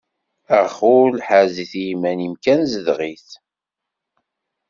Ax ul ḥrez-it iman-im kan zdeɣ-it.